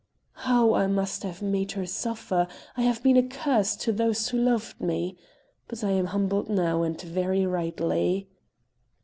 "How I must have made her suffer! I have been a curse to those who loved me. But I am humbled now, and very rightly."